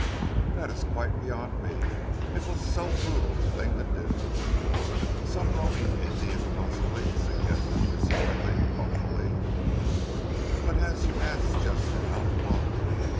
"That is quite beyond me. It was so brutal a thing to do!" "Some roaming Indian possibly," suggested Miss Yardely thoughtfully. "But as you asked just now, why?